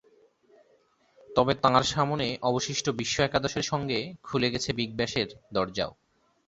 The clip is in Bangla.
তবে তাঁর সামনে অবশিষ্ট বিশ্ব একাদশের সঙ্গে খুলে গেছে বিগ ব্যাশের দরজাও।